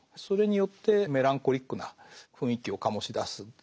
それによってメランコリックな雰囲気を醸し出す。